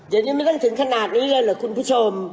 ต้องจะถึงขนาดนี้เล้วหรือคุณผู้ชม